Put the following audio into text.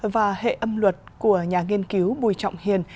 và hệ âm luật của nhà nghiên cứu bùi trọng hiền